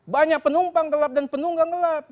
banyak penumpang gelap dan penunggang gelap